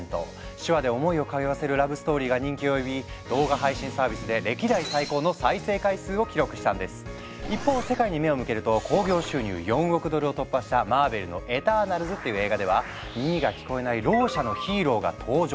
手話で思いを通わせるラブストーリーが人気を呼び動画配信サービスで一方世界に目を向けると興行収入４億ドルを突破したマーベルの「エターナルズ」っていう映画では耳が聞こえないろう者のヒーローが登場。